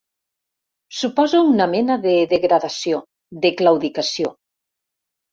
Suposa una mena de degradació, de claudicació.